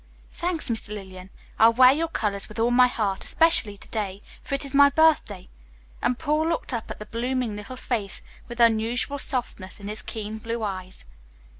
"Thanks, Miss Lillian, I'll wear your colors with all my heart, especially today, for it is my birthday." And Paul looked up at the blooming little face with unusual softness in his keen blue eyes.